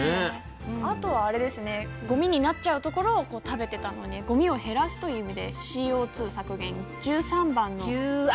あとはごみになっちゃうところを食べてたのでごみを減らすという意味でＣＯ２削減１３番も関わってきそうですね。